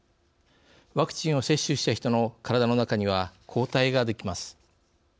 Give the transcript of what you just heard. ワクチンを接種した人の体の中には抗体ができます。